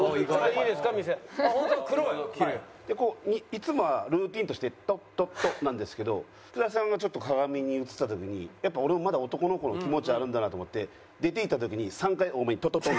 いつもはルーティンとしてトットットッなんですけど福田さんがちょっと鏡に映った時にやっぱ俺もまだ男の子の気持ちあるんだなと思って出ていった時に３回多めにトトトントン。